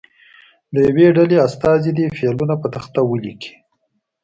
د یوې ډلې استازی دې فعلونه په تخته ولیکي.